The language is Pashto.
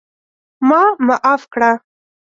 ما معاف کړه!